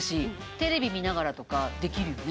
テレビ見ながらとかできるよね。